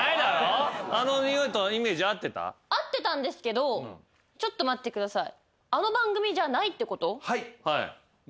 合ってたんですけどちょっと待ってください。